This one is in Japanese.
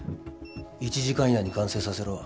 １時間以内に完成させろ。